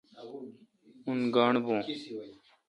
اون گاݨڈ بھو۔